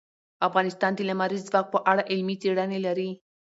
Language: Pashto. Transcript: افغانستان د لمریز ځواک په اړه علمي څېړنې لري.